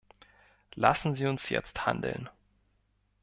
Lassen Sie uns jetzt handeln!